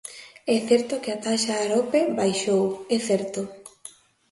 É certo que a taxa Arope baixou, é certo.